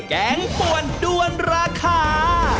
แกงป่วนด้วนราคา